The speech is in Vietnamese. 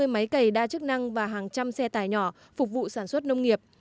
một trăm tám mươi máy cầy đa chức năng và hàng trăm xe tải nhỏ phục vụ sản xuất nông nghiệp